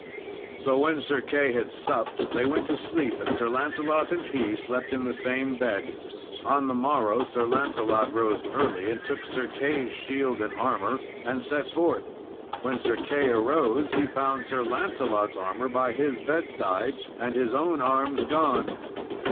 So when Sir Key had supped, they went to sleep, and Sir Lancelot and he slept in the same bed. On the morrow, Sir Lancelot rose early, and took Sir Key's shield and armour and set forth. When Sir Key arose, he found Sir Lancelot's armour by his bedside, and his own arms gone.